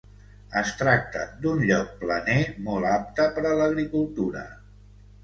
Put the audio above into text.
Es tracta d’un lloc planer molt apte per a l’agricultura.